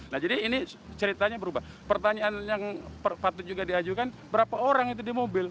nah jadi ini ceritanya berubah pertanyaan yang patut juga diajukan berapa orang itu di mobil